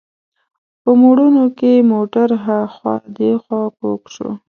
په موړونو کې موټر هاخوا دیخوا کوږ شو.